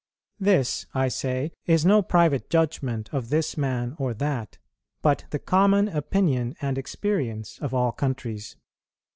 This, I say, is no private judgment of this man or that, but the common opinion and experience of all countries.